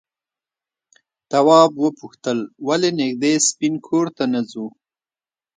تواب وپوښتل ولې نږدې سپین کور ته نه ځو؟